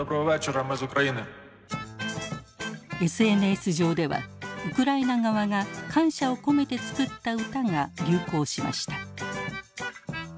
ＳＮＳ上ではウクライナ側が感謝を込めて作った歌が流行しました。